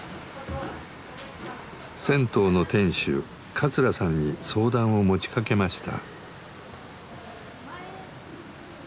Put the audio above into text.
銭湯の店主桂さんに相談を持ちかけました。